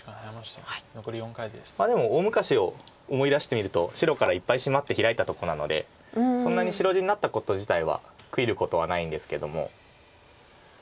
でも大昔を思い出してみると白からいっぱいシマってヒラいたとこなのでそんなに白地になったこと自体は悔いることはないんですけども。